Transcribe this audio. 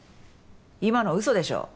今のうそでしょ。